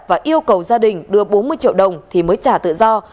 và yêu cầu gia đình đưa bốn mươi triệu đồng thì mới trả tự do